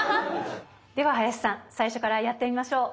では林さん最初からやってみましょう。